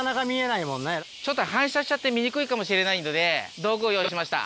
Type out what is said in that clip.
ちょっと反射しちゃって見にくいかもしれないので道具を用意しました。